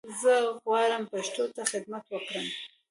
زه غواړم پښتو ته خدمت وکړم